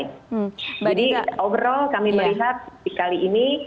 jadi overall kami melihat dikali ini